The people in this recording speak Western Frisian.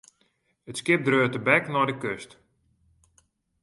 It skip dreau tebek nei de kust.